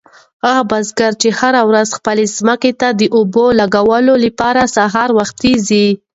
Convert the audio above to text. هغه بزګر هره ورځ خپلې ځمکې ته د اوبو لګولو لپاره سهار وختي ځي.